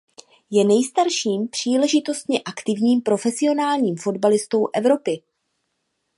Je nejstarším příležitostně aktivním profesionálním fotbalistou Evropy.